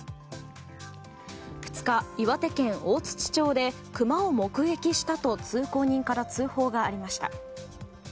２日、岩手県大槌町でクマを目撃したと通行人から通報がありました。